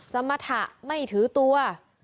สมรรถะไม่ถือตัว